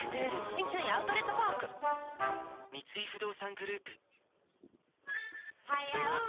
三井アウトレットパーク三井不動産グループ早起き